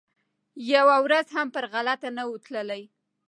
یوه ورځ هم پر غلطه نه وو تللی